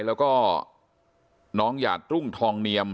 แล้วก็น้องหยาดรุ่งทองเนียม